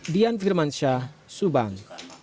dian firmansyah subang